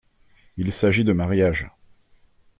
Il s’agit de mariage.